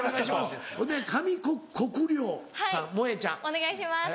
お願いします